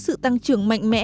sự tăng trưởng mạnh mẽ